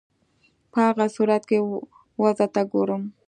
په هغه صورت کې وضع ته ګورم.